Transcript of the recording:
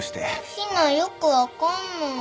陽菜よく分かんない。